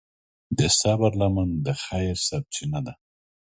د صبر لمن د خیر سرچینه ده.